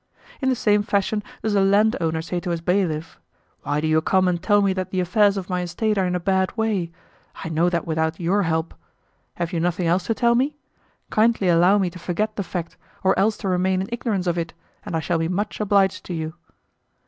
In the same fashion does a landowner say to his bailiff: "Why do you come and tell me that the affairs of my estate are in a bad way? I know that without YOUR help. Have you nothing else to tell me? Kindly allow me to forget the fact, or else to remain in ignorance of it, and I shall be much obliged to you."